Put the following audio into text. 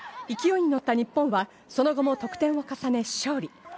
勢いに乗った日本は、その後も得点を重ね勝利。